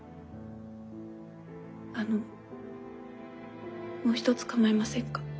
あのもう一つ構いませんか？